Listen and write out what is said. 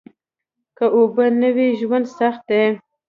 که اوبه نه وي ژوند سخت دي